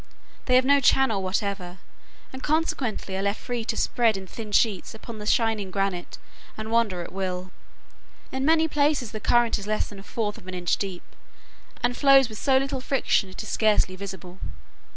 They have no channel whatever, and consequently are left free to spread in thin sheets upon the shining granite and wander at will. In many places the current is less than a fourth of an inch deep, and flows with so little friction it is scarcely visible.